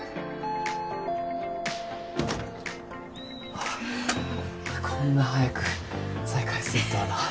あっこんな早く再会するとはな。